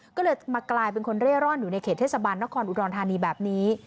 ก็เลยมากลายเป็นคนเร่ร่อนอยู่ในเขตเทศบาลนครอุดรธานีแบบนี้